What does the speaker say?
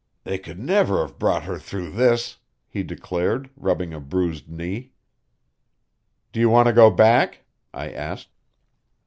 "They could never have brought her through this," he declared, rubbing a bruised knee. "Do you want to go back?" I asked.